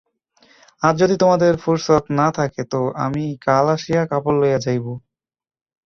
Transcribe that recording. আজ যদি তোমাদের ফুরসৎ না থাকে তো আমি কাল আসিয়া কাপড় লইয়া যাইব।